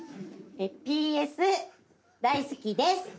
「ＰＳ大好きです」